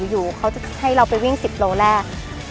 อยู่เขาจะให้เราไปวิ่ง๑๐โลแรก